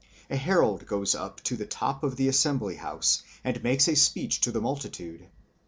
A herald goes up to the top of the assembly house, and makes a speech to the multitude.